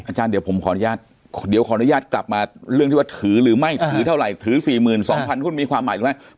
อาจารย์เดี๋ยวขออนุญาตกลับมาเรื่องที่ว่าถือหรือไม่ถือเท่าไหร่ถือ๔๐๐๐๐หุ้นมีความหมายหรือไม่